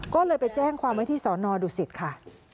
ก็เลยไปแจ้งความไว้ที่สอนอดุสิตค่ะ